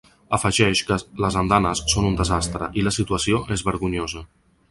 Afegeix que ‘les andanes són un desastre’ i la situació és ‘vergonyosa’.